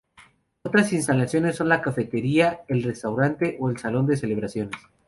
Otras instalaciones son la cafetería, el restaurante o el salón de celebraciones.